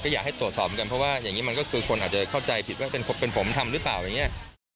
อยากให้ตรวจสอบเหมือนกันเพราะว่าอย่างนี้มันก็คือคนอาจจะเข้าใจผิดว่าเป็นผมทำหรือเปล่าอย่างนี้